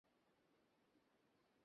রামমােহনকে বিভা কিছুমাত্র লজ্জা করিত না।